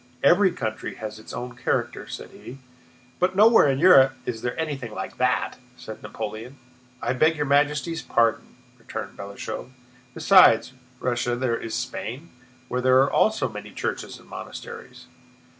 "Every country has its own character," said he. "But nowhere in Europe is there anything like that," said Napoleon. "I beg your Majesty's pardon," returned Balashëv, "besides Russia there is Spain, where there are also many churches and monasteries."